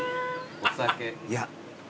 いや。